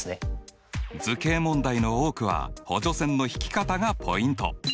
図形問題の多くは補助線の引き方がポイント。